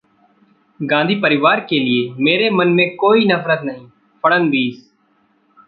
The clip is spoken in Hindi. गांधी परिवार के लिए मेरे मन में कोई नफरत नहीं: फडणवीस